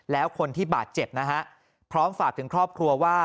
แล้วคนที่บาดเจ็บนะฮะพร้อมฝากถึงครอบครัวว่า